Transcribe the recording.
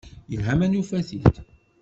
Yelha ma nufa-t-id.